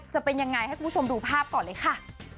จะเป็นยังไงให้คุณผู้ชมดูภาพก่อนเลยค่ะ